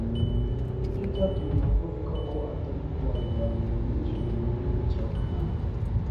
Ni cyo cyatumye Yehova avuga ko atari kubareka ngo binjire mu gihugu cya Kanani